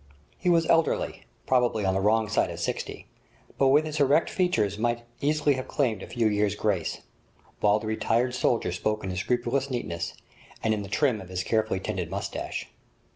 He was elderly, probably on the wrong side of sixty, but with his erect figure might easily have claimed a few years' grace, while the retired soldier spoke in his scrupulous neatness, and in the trim of a carefully tended moustache.